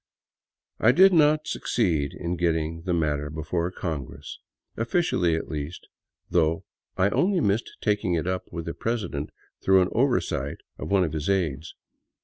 I did not succeed in getting the matter before Congress — officially, at least — though I only missed taking it up with the president through an oversight of one of his aids.